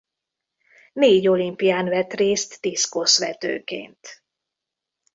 Négy olimpián vett részt diszkoszvetőként.